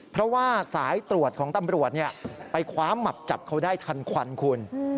เพราะว่าสายตรวจของตำรวจไปคว้ามับจับเขาได้ทันควันคุณ